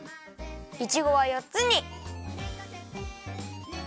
いちごは４つに。